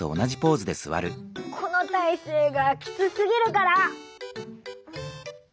このたいせいがきつすぎるから！